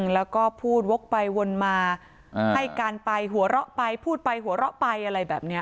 แล้วก็พูดวกไปวนมาให้การไปหัวเราะไปพูดไปหัวเราะไปอะไรแบบนี้